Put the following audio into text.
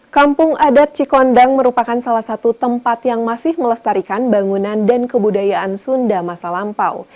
kampung adat cikondang merupakan salah satu tempat yang masih melestarikan bangunan dan kebudayaan sunda masa lampau